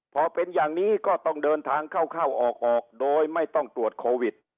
พอเป็นอย่างนี้ก็ต้องเดินทางเข้าออกโดยไม่ต้องตรวจโควิด